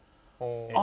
「あ！」